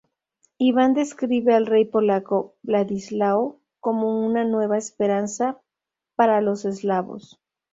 Ivan describe al rey polaco Vladislao como una nueva esperanza para los eslavos.